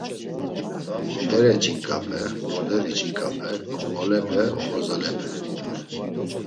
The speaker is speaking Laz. Bere ç̌inǩape, morderi ç̌inǩape, komolepe, oxorzalepe…